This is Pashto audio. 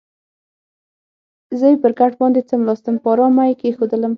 زه یې پر کټ باندې څملاستم، په آرامه یې کېښودلم.